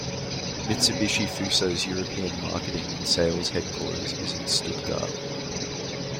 Mitsubishi Fuso's European marketing and sales headquarters is in Stuttgart.